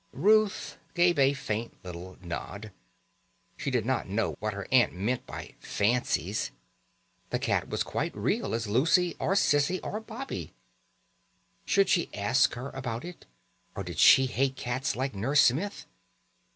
Ruth gave a faint little nod. She did not know what her aunt meant by "fancies". The cat was quite as real as Lucy, or Cissie, or Bobbie. Should she ask her about it, or did she hate cats like Nurse Smith?